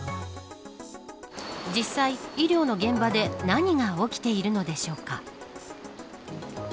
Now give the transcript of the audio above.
実際、医療の現場で何が起きているのでしょうか。